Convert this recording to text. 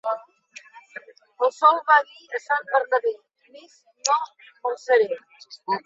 El sol va dir a Sant Bernabé: —Més no m'alçaré.